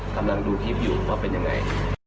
กำลังดูคลิปอยู่ว่าเป็นยังไง